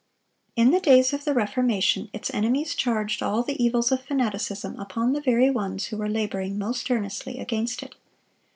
(648) In the days of the Reformation its enemies charged all the evils of fanaticism upon the very ones who were laboring most earnestly against it.